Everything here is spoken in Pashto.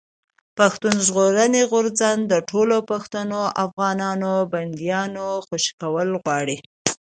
پښتون ژغورني غورځنګ د ټولو پښتنو افغانانو بنديانو خوشي کول غواړي.